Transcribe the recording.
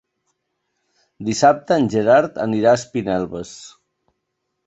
Dissabte en Gerard anirà a Espinelves.